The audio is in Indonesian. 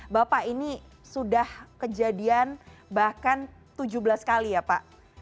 bapak ini sudah kejadian bahkan tujuh belas kali ya pak